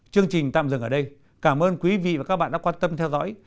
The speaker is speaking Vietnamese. chương trình tạm dừng ở đây cảm ơn quý vị và các bạn đã quan tâm theo dõi